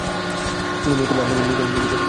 তিনি মূলতঃ বামহাতি মিডিয়াম হিসেবে খেলতেন।